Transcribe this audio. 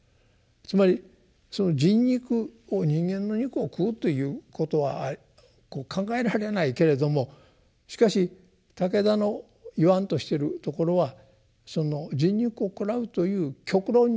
つまりその人肉を人間の肉を食うということは考えられないけれどもしかし武田の言わんとしているところは人肉を食らうという極論によってですね